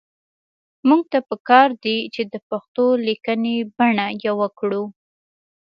موږ ته پکار دي چې د پښتو لیکنۍ بڼه يوه کړو